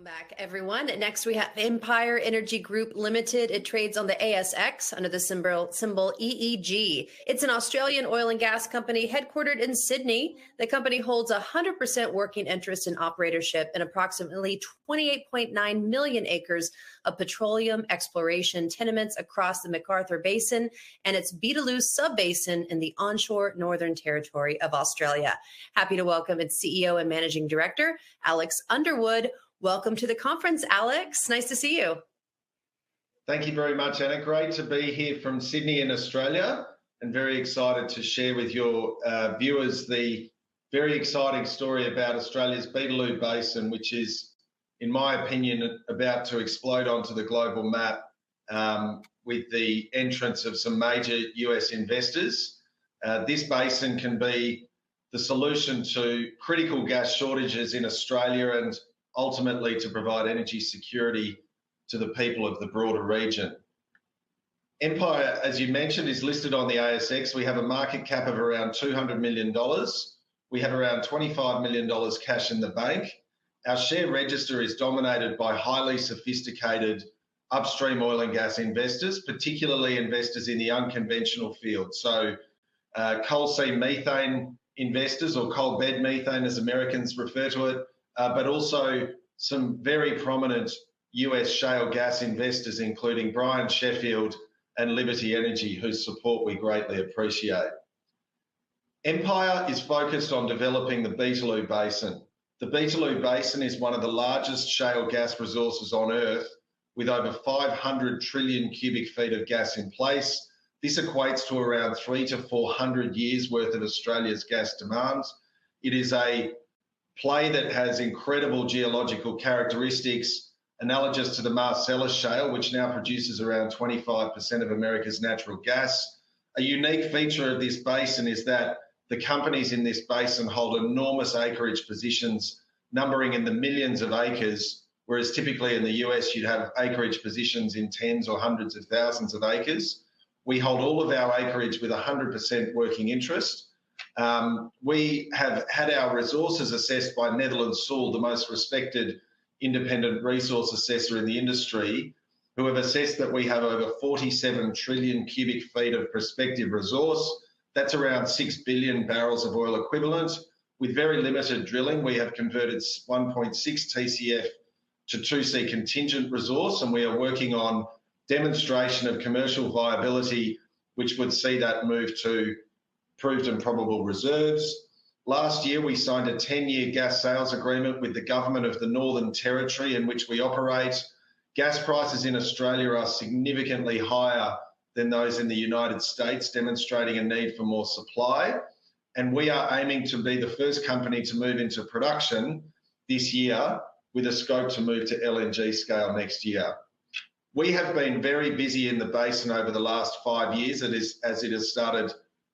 Welcome back, everyone. Next, we have Empire Energy Australia. It trades on the ASX under the symbol EEG. It's an Australian oil and gas company headquartered in Sydney. The company holds 100% working interest in operatorship in approximately 28.9 million acres of petroleum exploration tenements across the McArthur Basin and its Beetaloo Sub-basin in the onshore Northern Territory of Australia. Happy to welcome its CEO and Managing Director, Alex Underwood. Welcome to the conference, Alex. Nice to see you. Thank you very much, Anna. Great to be here from Sydney in Australia, and very excited to share with your viewers the very exciting story about Australia's Beetaloo Basin, which is, in my opinion, about to explode onto the global map with the entrance of some major US investors. This basin can be the solution to critical gas shortages in Australia and ultimately to provide energy security to the people of the broader region. Empire Energy Australia, as you mentioned, is listed on the ASX. We have a market cap of around 200 million dollars. We have around 25 million dollars cash in the bank. Our share register is dominated by highly sophisticated upstream oil and gas investors, particularly investors in the unconventional field, so coal-seam methane investors or coal bed methane, as Americans refer to it, but also some very prominent US shale gas investors, including Brian Sheffield and Liberty Energy, whose support we greatly appreciate. Empire Energy Australia is focused on developing the Beetaloo Basin. The Beetaloo Basin is one of the largest shale gas resources on Earth, with over 500 trillion cubic feet of gas in place. This equates to around 300-400 years' worth of Australia's gas demand. It is a play that has incredible geological characteristics, analogous to the Marcellus Shale, which now produces around 25% of America's natural gas. A unique feature of this basin is that the companies in this basin hold enormous acreage positions, numbering in the millions of acres, whereas typically in the US, you'd have acreage positions in tens or hundreds of thousands of acres. We hold all of our acreage with 100% working interest. We have had our resources assessed by Netherland Sewell, the most respected independent resource assessor in the industry, who have assessed that we have over 47 trillion cubic feet of prospective resource. That's around 6 billion barrels of oil equivalent. With very limited drilling, we have converted 1.6 TCF to 2C contingent resource, and we are working on demonstration of commercial viability, which would see that move to proved and probable reserves. Last year, we signed a 10-year gas sales agreement with the government of the Northern Territory in which we operate. Gas prices in Australia are significantly higher than those in the United States, demonstrating a need for more supply. We are aiming to be the first company to move into production this year, with a scope to move to LNG scale next year. We have been very busy in the basin over the last five years, as it has started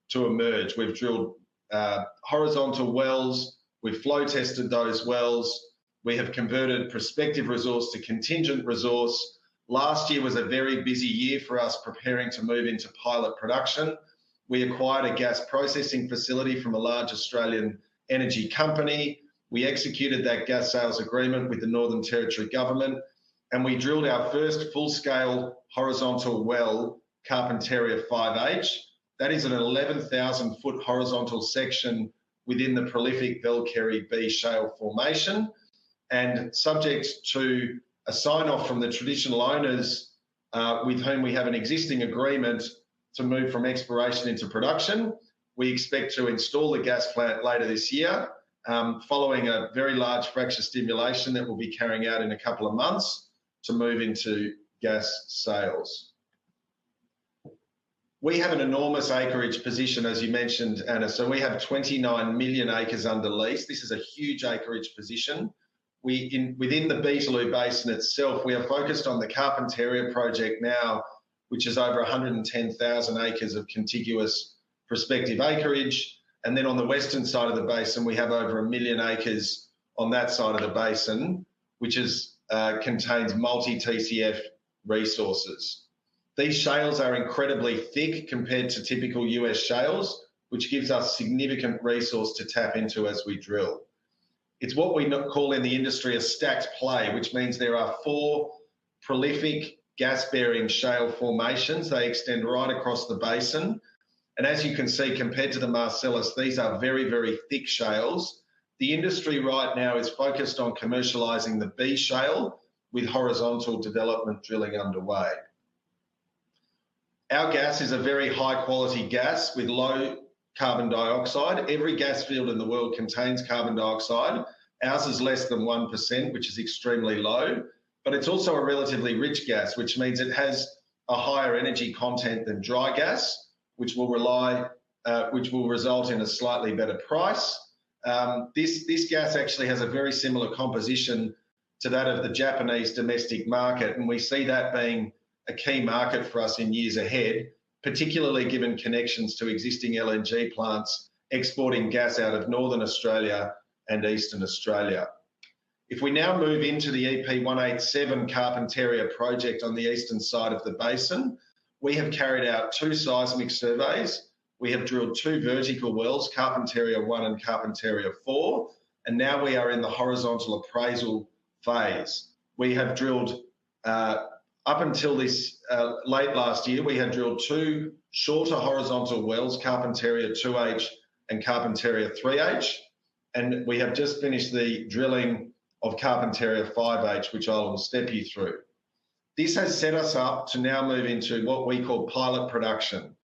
to emerge. We have drilled horizontal wells. We have flow tested those wells. We have converted prospective resource to contingent resource. Last year was a very busy year for us preparing to move into pilot production. We acquired a gas processing facility from a large Australian energy company. We executed that gas sales agreement with the Northern Territory Government, and we drilled our first full-scale horizontal well, Carpentaria-5H. That is an 11,000 ft horizontal section within the prolific Velkerri B Shale formation. Subject to a sign-off from the Traditional Owners, with whom we have an existing agreement to move from exploration into production, we expect to install the gas plant later this year, following a very large fracture stimulation that we will be carrying out in a couple of months to move into gas sales. We have an enormous acreage position, as you mentioned, Anna, so we have 29 million acres under lease. This is a huge acreage position. Within the Beetaloo Basin itself, we are focused on the Carpentaria Project now, which is over 110,000 acres of contiguous prospective acreage. On the western side of the basin, we have over 1 million acres on that side of the basin, which contains multi-TCF resources. These shales are incredibly thick compared to typical US shales, which gives us significant resource to tap into as we drill. It's what we call in the industry a stacked play, which means there are four prolific gas-bearing shale formations. They extend right across the basin. As you can see, compared to the Marcellus, these are very, very thick shales. The industry right now is focused on commercializing the B shale, with horizontal development drilling underway. Our gas is a very high-quality gas with low carbon dioxide. Every gas field in the world contains carbon dioxide. Ours is less than 1%, which is extremely low. It is also a relatively rich gas, which means it has a higher energy content than dry gas, which will result in a slightly better price. This gas actually has a very similar composition to that of the Japanese domestic market, and we see that being a key market for us in years ahead, particularly given connections to existing LNG plants exporting gas out of Northern Australia and Eastern Australia. If we now move into the EP187 Carpentaria Project on the eastern side of the basin, we have carried out two seismic surveys. We have drilled two vertical wells, Carpentaria 1 and Carpentaria 4, and now we are in the horizontal appraisal phase. We have drilled up until late last year, we had drilled two shorter horizontal wells, Carpentaria 2H and Carpentaria 3H, and we have just finished the drilling of Carpentaria 5H, which I'll step you through. This has set us up to now move into what we call pilot production.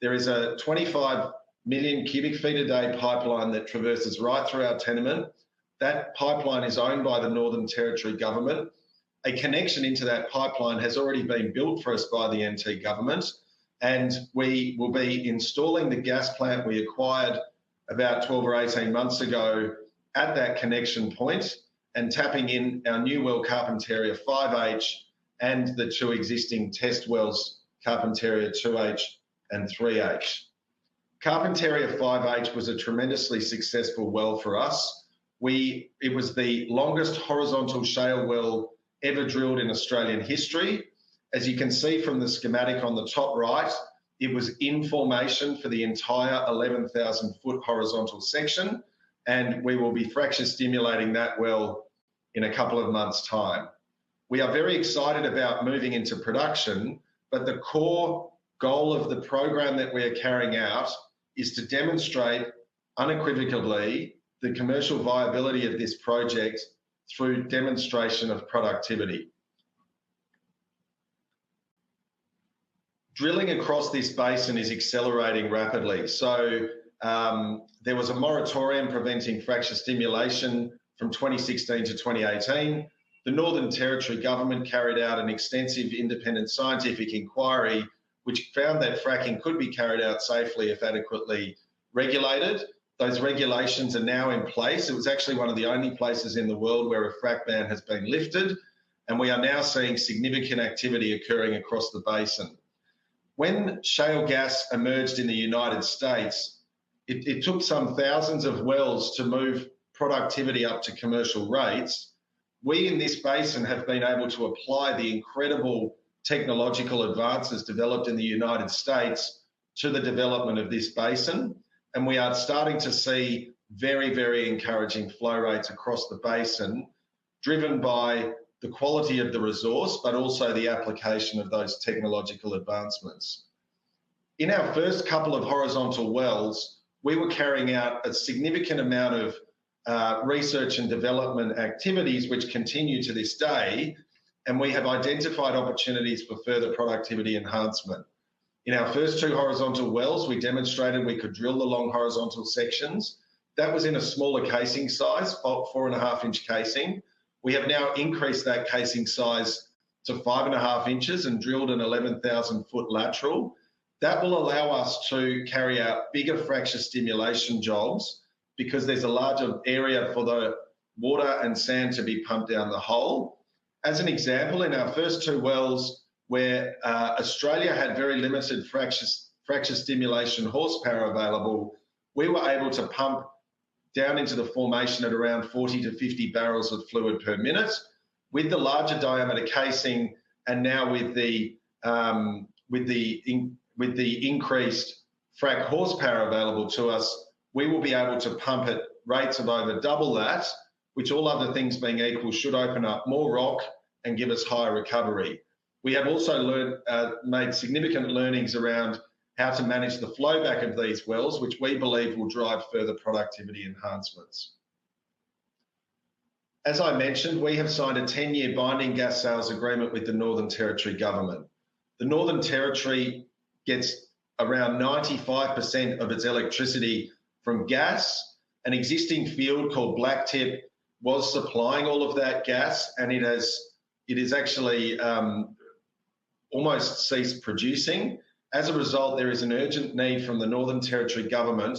There is a 25 million cubic feet a day pipeline that traverses right through our tenement. That pipeline is owned by the Northern Territory Government. A connection into that pipeline has already been built for us by the NT government, and we will be installing the gas plant we acquired about 12 or 18 months ago at that connection point and tapping in our new well, Carpentaria 5H, and the two existing test wells, Carpentaria 2H and 3H. Carpentaria 5H was a tremendously successful well for us. It was the longest horizontal shale well ever drilled in Australian history. As you can see from the schematic on the top right, it was in formation for the entire 11,000-foot horizontal section, and we will be fracture stimulating that well in a couple of months' time. We are very excited about moving into production, but the core goal of the program that we are carrying out is to demonstrate unequivocally the commercial viability of this project through demonstration of productivity. Drilling across this basin is accelerating rapidly. There was a moratorium preventing fracture stimulation from 2016 to 2018. The Northern Territory Government carried out an extensive independent scientific inquiry, which found that fracking could be carried out safely if adequately regulated. Those regulations are now in place. It was actually one of the only places in the world where a frack ban has been lifted, and we are now seeing significant activity occurring across the basin. When shale gas emerged in the United States, it took some thousands of wells to move productivity up to commercial rates. We, in this basin, have been able to apply the incredible technological advances developed in the United States to the development of this basin, and we are starting to see very, very encouraging flow rates across the basin, driven by the quality of the resource, but also the application of those technological advancements. In our first couple of horizontal wells, we were carrying out a significant amount of research and development activities, which continue to this day, and we have identified opportunities for further productivity enhancement. In our first two horizontal wells, we demonstrated we could drill the long horizontal sections. That was in a smaller casing size, 4.5-inch casing. We have now increased that casing size to 5.5 inches and drilled an 11,000-foot lateral. That will allow us to carry out bigger fracture stimulation jobs because there is a larger area for the water and sand to be pumped down the hole. As an example, in our first two wells, where Australia had very limited fracture stimulation horsepower available, we were able to pump down into the formation at around 40-50 barrels of fluid per minute. With the larger diameter casing and now with the increased frac horsepower available to us, we will be able to pump at rates of over double that, which, all other things being equal, should open up more rock and give us higher recovery. We have also made significant learnings around how to manage the flow back of these wells, which we believe will drive further productivity enhancements. As I mentioned, we have signed a 10-year binding gas sales agreement with the Northern Territory Government. The Northern Territory gets around 95% of its electricity from gas. An existing field called Blacktip was supplying all of that gas, and it has actually almost ceased producing. As a result, there is an urgent need from the Northern Territory Government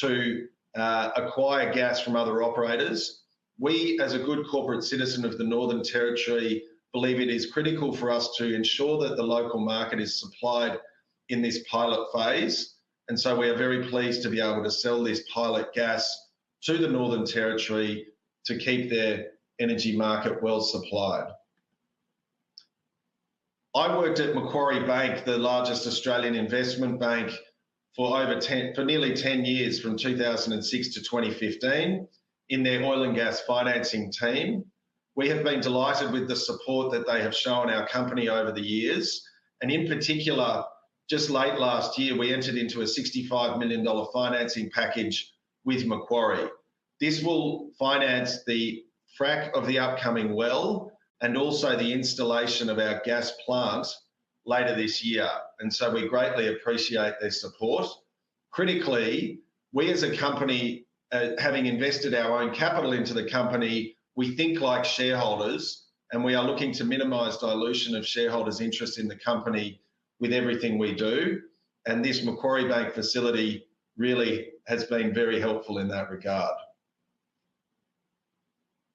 to acquire gas from other operators. We, as a good corporate citizen of the Northern Territory, believe it is critical for us to ensure that the local market is supplied in this pilot phase, and we are very pleased to be able to sell this pilot gas to the Northern Territory to keep their energy market well supplied. I worked at Macquarie Bank, the largest Australian investment bank, for nearly 10 years from 2006 to 2015 in their oil and gas financing team. We have been delighted with the support that they have shown our company over the years. In particular, just late last year, we entered into an 65 million dollar financing package with Macquarie Bank. This will finance the frac of the upcoming well and also the installation of our gas plant later this year, and we greatly appreciate their support. Critically, we as a company, having invested our own capital into the company, think like shareholders, and we are looking to minimize dilution of shareholders' interest in the company with everything we do. This Macquarie Bank facility really has been very helpful in that regard.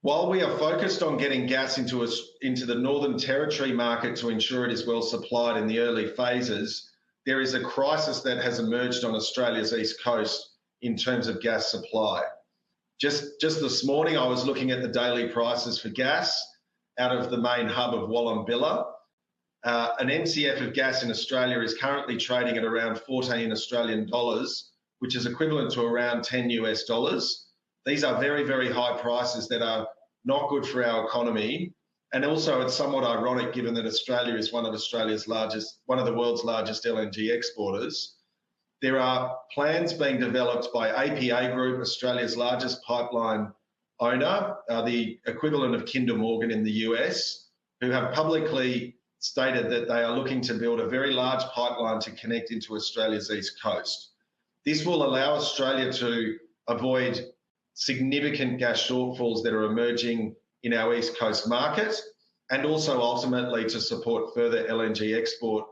While we are focused on getting gas into the Northern Territory market to ensure it is well supplied in the early phases, there is a crisis that has emerged on Australia's east coast in terms of gas supply. Just this morning, I was looking at the daily prices for gas out of the main hub of Wallumbilla. An MCF of gas in Australia is currently trading at around 14 Australian dollars, which is equivalent to around $10. These are very, very high prices that are not good for our economy. It is also somewhat ironic given that Australia is one of the world's largest LNG exporters. There are plans being developed by APA Group, Australia's largest pipeline owner, the equivalent of Kinder Morgan in the US, who have publicly stated that they are looking to build a very large pipeline to connect into Australia's east coast. This will allow Australia to avoid significant gas shortfalls that are emerging in our east coast market and also ultimately to support further LNG export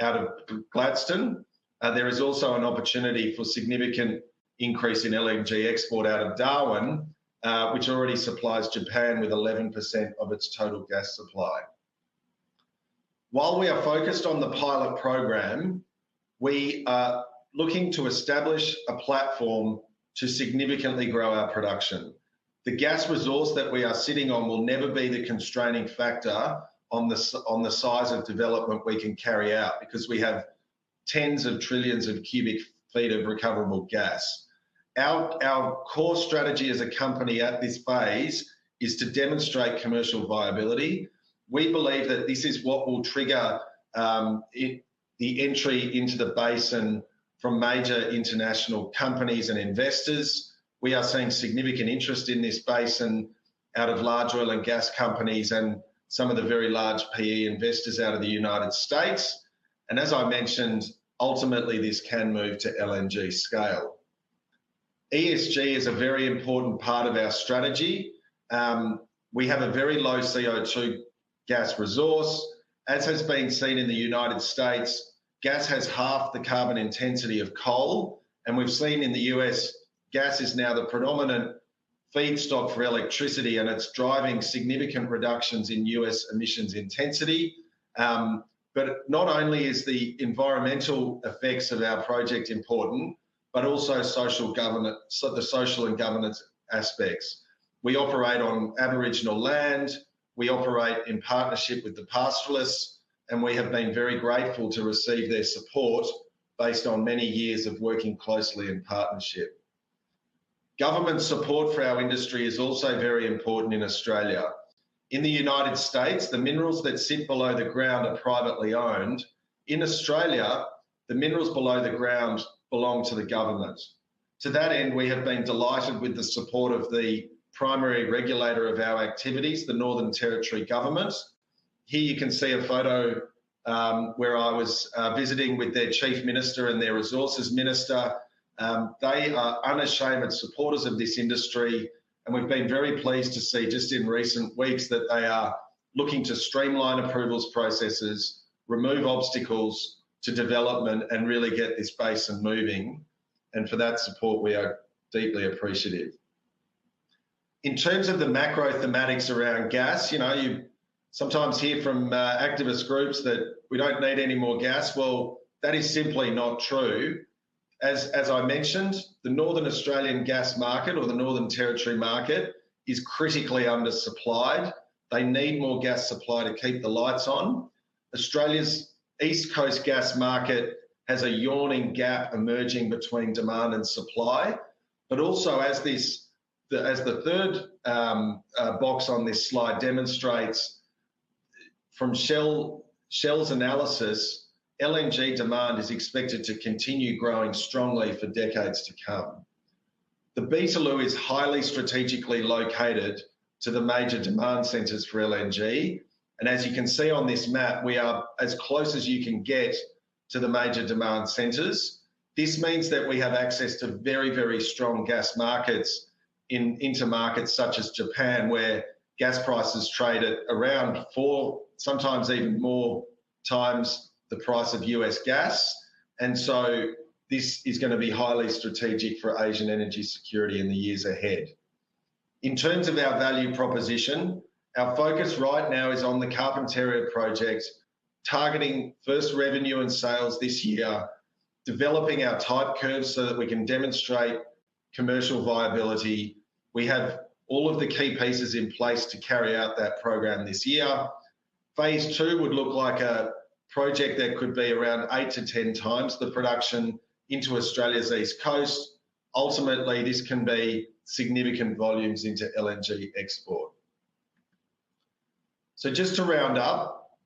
out of Gladstone. There is also an opportunity for significant increase in LNG export out of Darwin, which already supplies Japan with 11% of its total gas supply. While we are focused on the pilot program, we are looking to establish a platform to significantly grow our production. The gas resource that we are sitting on will never be the constraining factor on the size of development we can carry out because we have tens of trillions of cubic feet of recoverable gas. Our core strategy as a company at this phase is to demonstrate commercial viability. We believe that this is what will trigger the entry into the basin from major international companies and investors. We are seeing significant interest in this basin out of large oil and gas companies and some of the very large PE investors out of the United States. As I mentioned, ultimately, this can move to LNG scale. ESG is a very important part of our strategy. We have a very low CO2 gas resource. As has been seen in the U.S., gas has half the carbon intensity of coal, and we've seen in the U.S., gas is now the predominant feedstock for electricity, and it's driving significant reductions in U.S. emissions intensity. Not only are the environmental effects of our project important, but also the social and governance aspects. We operate on Aboriginal land. We operate in partnership with the pastoralists, and we have been very grateful to receive their support based on many years of working closely in partnership. Government support for our industry is also very important in Australia. In the U.S., the minerals that sit below the ground are privately owned. In Australia, the minerals below the ground belong to the government. To that end, we have been delighted with the support of the primary regulator of our activities, the Northern Territory Government. Here you can see a photo where I was visiting with their Chief Minister and their Resources Minister. They are unashamed supporters of this industry, and we have been very pleased to see just in recent weeks that they are looking to streamline approvals processes, remove obstacles to development, and really get this basin moving. For that support, we are deeply appreciative. In terms of the macro thematics around gas, you sometimes hear from activist groups that we do not need any more gas. That is simply not true. As I mentioned, the Northern Territory gas market is critically undersupplied. They need more gas supply to keep the lights on. Australia's east coast gas market has a yawning gap emerging between demand and supply. Also, as the third box on this slide demonstrates from Shell's analysis, LNG demand is expected to continue growing strongly for decades to come. The Beetaloo is highly strategically located to the major demand centers for LNG, and as you can see on this map, we are as close as you can get to the major demand centers. This means that we have access to very, very strong gas markets into markets such as Japan, where gas prices trade at around four, sometimes even more times the price of US gas. This is going to be highly strategic for Asian energy security in the years ahead. In terms of our value proposition, our focus right now is on the Carpentaria Project, targeting first revenue and sales this year, developing our type curve so that we can demonstrate commercial viability. We have all of the key pieces in place to carry out that program this year. Phase two would look like a project that could be around 8-10 times the production into Australia's east coast. Ultimately, this can be significant volumes into LNG export. Just to round up,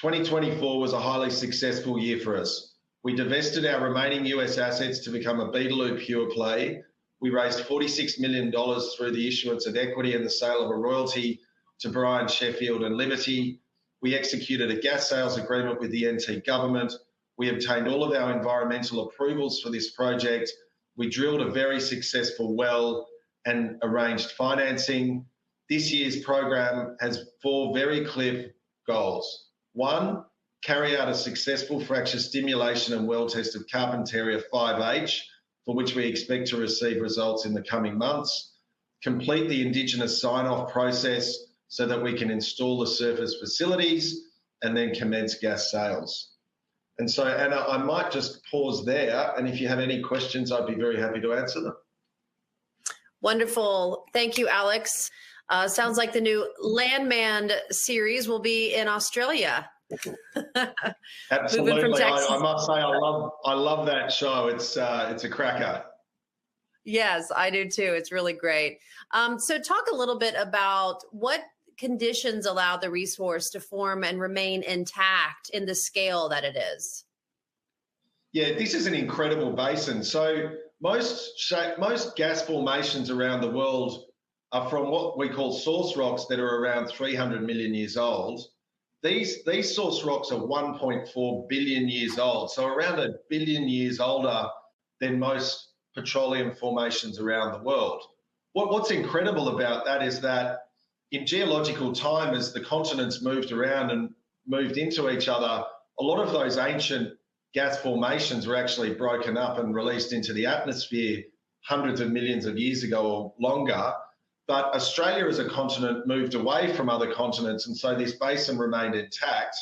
2024 was a highly successful year for us. We divested our remaining US assets to become a Beetaloo pure play. We raised 46 million dollars through the issuance of equity and the sale of a royalty to Brian Sheffield and Liberty. We executed a gas sales agreement with the NT government. We obtained all of our environmental approvals for this project. We drilled a very successful well and arranged financing. This year's program has four very clear goals. One, carry out a successful fracture stimulation and well test of Carpentaria-5H, for which we expect to receive results in the coming months. Complete the indigenous sign-off process so that we can install the surface facilities and then commence gas sales. Anna, I might just pause there, and if you have any questions, I would be very happy to answer them. Wonderful. Thank you, Alex. Sounds like the new Landman series will be in Australia. Absolutely. I must say I love that show. It is a cracker. Yes, I do too. It is really great. Talk a little bit about what conditions allow the resource to form and remain intact in the scale that it is. Yeah, this is an incredible basin. Most gas formations around the world are from what we call source rocks that are around 300 million years old. These source rocks are 1.4 billion years old, so around a billion years older than most petroleum formations around the world. What is incredible about that is that in geological time, as the continents moved around and moved into each other, a lot of those ancient gas formations were actually broken up and released into the atmosphere hundreds of millions of years ago or longer. Australia as a continent moved away from other continents, and so this basin remained intact.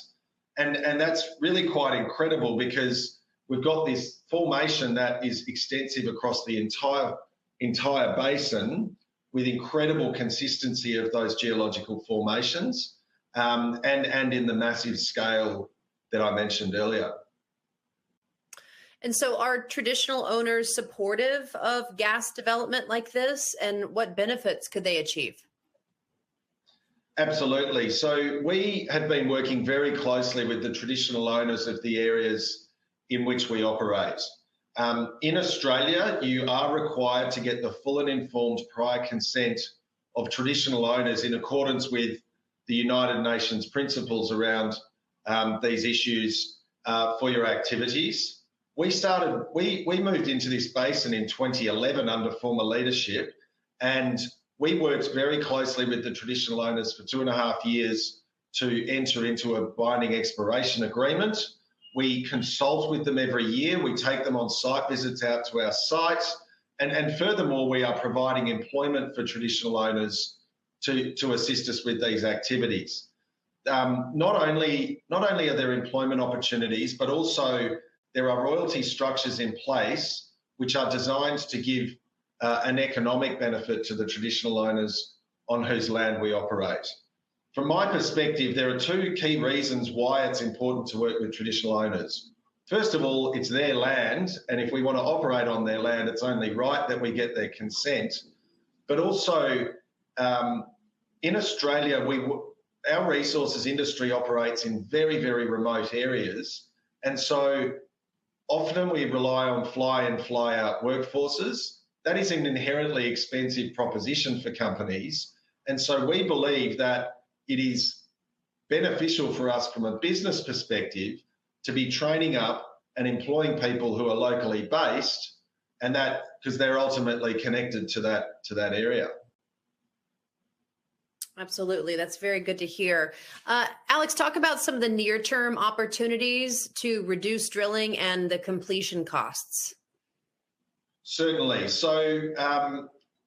That is really quite incredible because we have this formation that is extensive across the entire basin with incredible consistency of those geological formations and in the massive scale that I mentioned earlier. Are Traditional Owners supportive of gas development like this, and what benefits could they achieve? Absolutely. We have been working very closely with the Traditional Owners of the areas in which we operate. In Australia, you are required to get the full and informed prior consent of Traditional Owners in accordance with the United Nations principles around these issues for your activities. We moved into this basin in 2011 under former leadership, and we worked very closely with the Traditional Owners for two and a half years to enter into a binding exploration agreement. We consult with them every year. We take them on site visits out to our sites. Furthermore, we are providing employment for Traditional Owners to assist us with these activities. Not only are there employment opportunities, but also there are royalty structures in place which are designed to give an economic benefit to the Traditional Owners on whose land we operate. From my perspective, there are two key reasons why it's important to work with Traditional Owners. First of all, it's their land, and if we want to operate on their land, it's only right that we get their consent. Also, in Australia, our resources industry operates in very, very remote areas, and so often we rely on fly-in, fly-out workforces. That is an inherently expensive proposition for companies. We believe that it is beneficial for us from a business perspective to be training up and employing people who are locally based because they're ultimately connected to that area. Absolutely. That's very good to hear. Alex, talk about some of the near-term opportunities to reduce drilling and the completion costs. Certainly.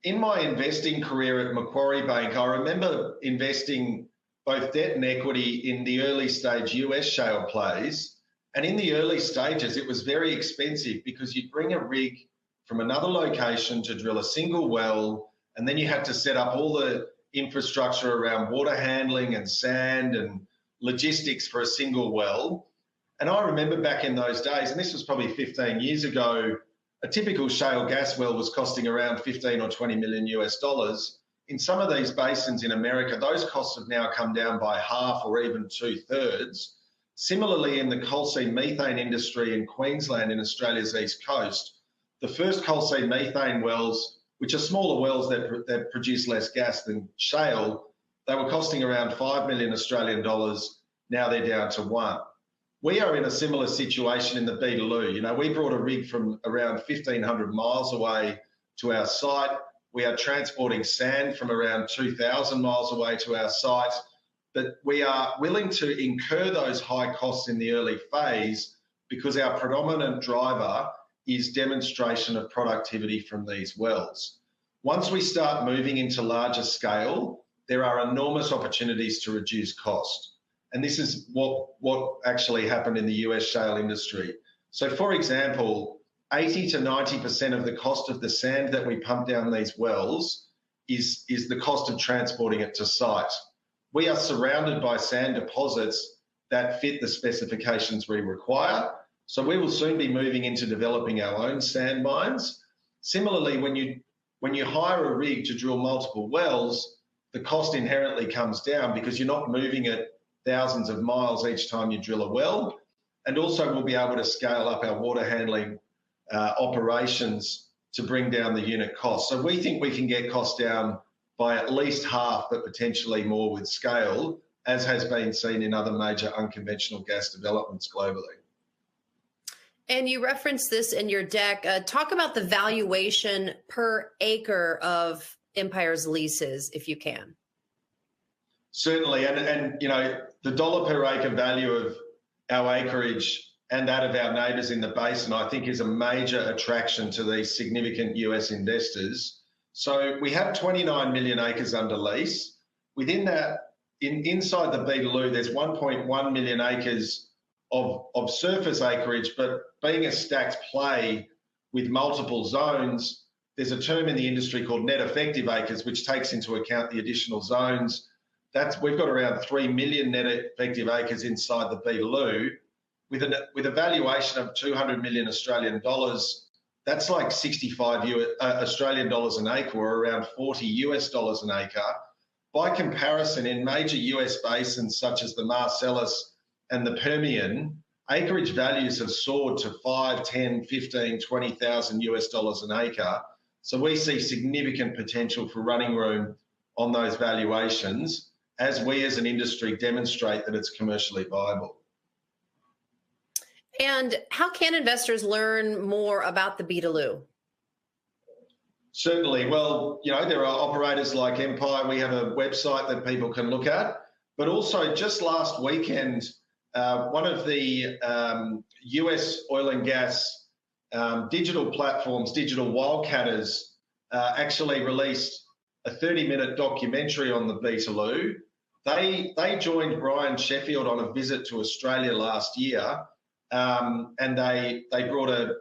In my investing career at Macquarie Bank, I remember investing both debt and equity in the early stage US shale plays. In the early stages, it was very expensive because you'd bring a rig from another location to drill a single well, and then you had to set up all the infrastructure around water handling and sand and logistics for a single well. I remember back in those days, and this was probably 15 years ago, a typical shale gas well was costing around $15 million or $20 million. In some of these basins in the U.S., those costs have now come down by half or even two-thirds. Similarly, in the coal seam methane industry in Queensland and Australia's east coast, the first coal seam methane wells, which are smaller wells that produce less gas than shale, they were costing around 5 million Australian dollars. Now they're down to 1 million. We are in a similar situation in the Beetaloo. We brought a rig from around 1,500 mi away to our site. We are transporting sand from around 2,000 mi away to our site. We are willing to incur those high costs in the early phase because our predominant driver is demonstration of productivity from these wells. Once we start moving into larger scale, there are enormous opportunities to reduce cost. This is what actually happened in the US shale industry. For example, 80%-90% of the cost of the sand that we pump down these wells is the cost of transporting it to site. We are surrounded by sand deposits that fit the specifications we require. We will soon be moving into developing our own sand mines. Similarly, when you hire a rig to drill multiple wells, the cost inherently comes down because you're not moving it thousands of miles each time you drill a well. We will also be able to scale up our water handling operations to bring down the unit cost. We think we can get costs down by at least half, but potentially more with scale, as has been seen in other major unconventional gas developments globally. You referenced this in your deck. Talk about the valuation per acre of Empire Energy Australia's leases, if you can. Certainly. The dollar per acre value of our acreage and that of our neighbors in the basin, I think, is a major attraction to these significant US investors. We have 29 million acres under lease. Inside the Beetaloo, there are 1.1 million acres of surface acreage. Being a stacked play with multiple zones, there is a term in the industry called net effective acres, which takes into account the additional zones. We've got around 3 million net effective acres inside the Beetaloo with a valuation of 200 million Australian dollars. That's like 65 Australian dollars an acre or around $40 an acre. By comparison, in major U.S. basins such as the Marcellus and the Permian, acreage values have soared to $5,000-$20,000 an acre. We see significant potential for running room on those valuations as we, as an industry, demonstrate that it's commercially viable. How can investors learn more about the Beetaloo? Certainly. There are operators like Empire Energy Australia. We have a website that people can look at. Also, just last weekend, one of the U.S. oil and gas digital platforms, Digital Wildcatters, actually released a 30-minute documentary on the Beetaloo. They joined Brian Sheffield on a visit to Australia last year, and they brought a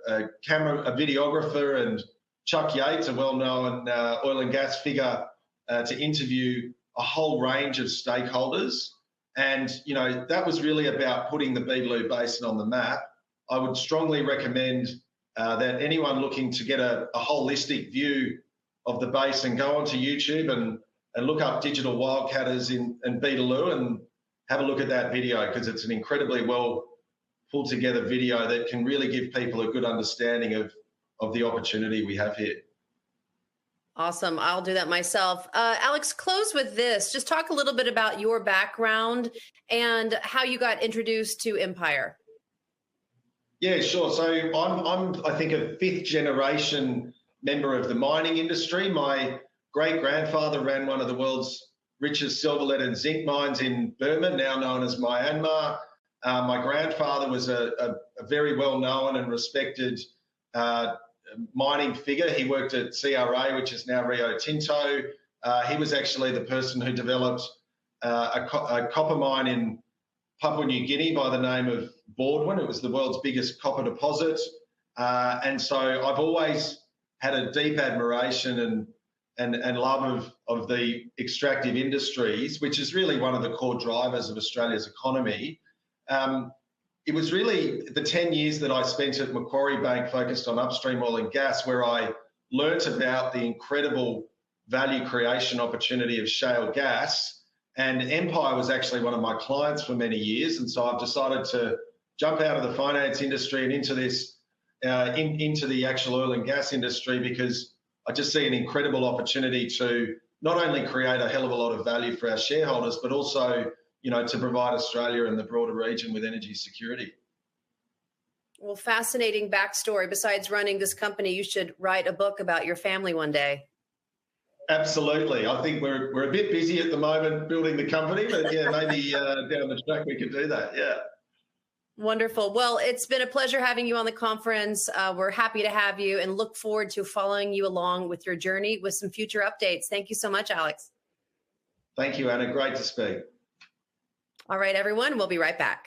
videographer and Chuck Yates, a well-known oil and gas figure, to interview a whole range of stakeholders. That was really about putting the Beetaloo Basin on the map. I would strongly recommend that anyone looking to get a holistic view of the basin go onto YouTube and look up Digital Wildcatters and Beetaloo and have a look at that video because it's an incredibly well put together video that can really give people a good understanding of the opportunity we have here. Awesome. I'll do that myself. Alex, close with this. Just talk a little bit about your background and how you got introduced to Empire Energy Australia. Yeah, sure. I think I'm a fifth-generation member of the mining industry. My great-grandfather ran one of the world's richest silver lead and zinc mines in Burma, now known as Myanmar. My grandfather was a very well-known and respected mining figure. He worked at CRA, which is now Rio Tinto. He was actually the person who developed a copper mine in Papua New Guinea by the name of Bawdwin. It was the world's biggest copper deposit. I have always had a deep admiration and love of the extractive industries, which is really one of the core drivers of Australia's economy. It was really the 10 years that I spent at Macquarie Bank focused on upstream oil and gas, where I learned about the incredible value creation opportunity of shale gas. Empire was actually one of my clients for many years. I've decided to jump out of the finance industry and into the actual oil and gas industry because I just see an incredible opportunity to not only create a hell of a lot of value for our shareholders, but also to provide Australia and the broader region with energy security. Fascinating backstory. Besides running this company, you should write a book about your family one day. Absolutely. I think we're a bit busy at the moment building the company. Yeah, maybe down the track we could do that. Wonderful. It's been a pleasure having you on the conference. We're happy to have you and look forward to following you along with your journey with some future updates. Thank you so much, Alex. Thank you, Anna. Great to speak. All right, everyone. We'll be right back.